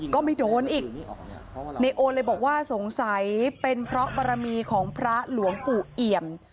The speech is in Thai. ก็ไม่โดนอีกนายโอเลยบอกว่าสงสัยเป็นเพราะบารมีของพระหลวงปู่เอี่ยม